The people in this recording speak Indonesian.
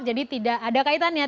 jadi tidak ada kaitannya